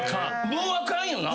もうあかんよな？